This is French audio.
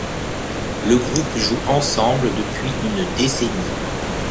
Le groupe joue ensemble depuis une décennie.